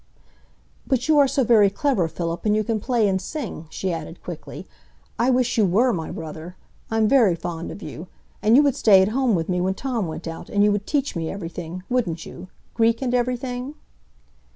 "But you are so very clever, Philip, and you can play and sing," she added quickly. "I wish you were my brother. I'm very fond of you. And you would stay at home with me when Tom went out, and you would teach me everything; wouldn't you,—Greek and everything?"